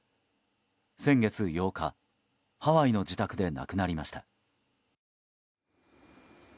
先月８日、ハワイの自宅で亡くなりました。